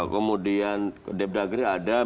kemudian depdagri ada